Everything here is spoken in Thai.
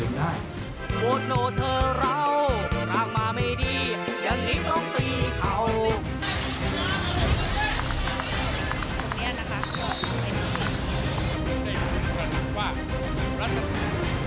สำเร็จ